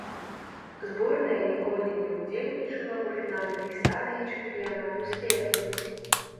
Зборная ніколі не ўдзельнічала ў фінальнай стадыі чэмпіянату свету.